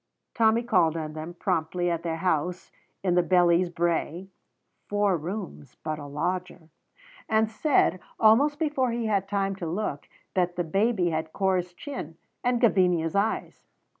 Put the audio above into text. Tommy called on them promptly at their house in the Bellies Brae (four rooms, but a lodger), and said, almost before he had time to look, that the baby had Corp's chin and Gavinia's eyes.